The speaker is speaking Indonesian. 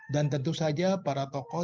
dan tentu saja para tokoh